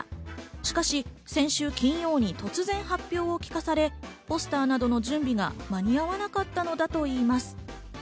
しかし先週金曜に突然発表を聞かされ、ポスターなどの準備が間に合わなかったのだといいます。